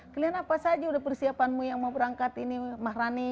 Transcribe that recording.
kalian apa saja udah persiapanmu yang mau berangkat ini mahrani